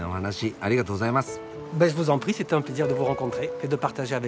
ありがとうございます。